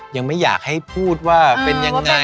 ยังไม่อยากให้พูดว่าเป็นยังไง